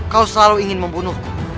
kau selalu ingin membunuhku